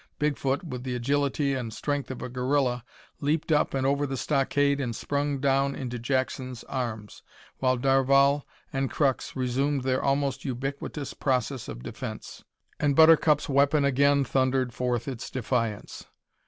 Bigfoot, with the agility and strength of a gorilla, leaped up and over the stockade and sprung down into Jackson's arms, while Darvall and Crux resumed their almost ubiquitous process of defence, and Buttercup's weapon again thundered forth its defiance.